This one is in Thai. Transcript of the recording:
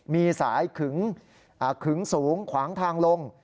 มีสายขึงสูงขวางทางลง